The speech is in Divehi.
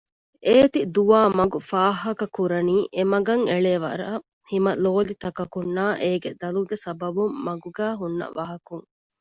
އޭތި ދުވާމަގު ފާހަކަކުރަނީ އެމަގަށް އެޅޭ ވަރަށް ހިމަލޯލިތަކަކުންނާ އޭގެ ދަލުގެ ސަބަބުން މަގުގައި ހުންނަ ވަހަކުން